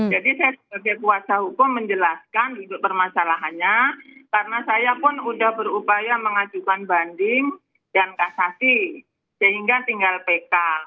jadi saya sebagai kuasa hukum menjelaskan untuk permasalahannya karena saya pun sudah berupaya mengajukan banding dan kasasi sehingga tinggal pk